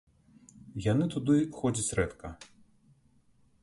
Яны туды ходзяць рэдка.